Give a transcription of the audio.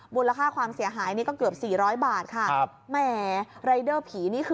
บูรค่าความเสียหายก็เกือบ๔๐๐บาทค่ะแหมรายเดอร์ผีนี่คือ